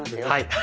はい。